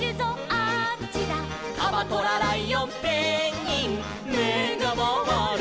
「カバトラライオンペンギンめがまわる」